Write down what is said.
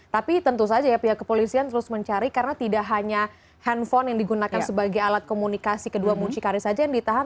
tapi tentu saja ya pihak kepolisian terus mencari karena tidak hanya handphone yang digunakan sebagai alat komunikasi kedua mucikari saja yang ditahan